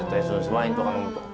ワインとか呑むと。